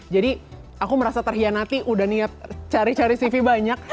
jadi aku merasa terhianati udah niat cari cari cv banyak